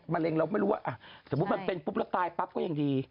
เร็งเราไม่รู้ว่าสมมุติมันเป็นปุ๊บแล้วตายปั๊บก็ยังดี